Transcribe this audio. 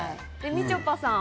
みちょぱさん。